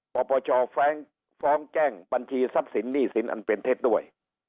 ปปชฟ้องแจ้งบัญชีทรัพย์สินหนี้สินอันเป็นเท็จด้วย